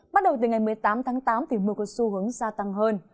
bắt đầu từ ngày một mươi tám tháng tám thì mưa có xu hướng gia tăng hơn